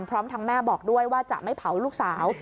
พร้อมทั้งแม่บอกด้วยว่าจะไม่เผาลูกสาว